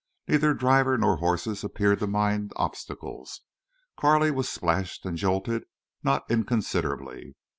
Neither driver nor horses appeared to mind obstacles. Carley was splashed and jolted not inconsiderably.